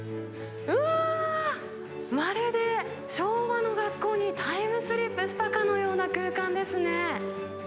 うわー、まるで昭和の学校にタイムスリップしたかのような空間ですね。